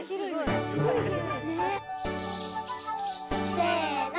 ・せの！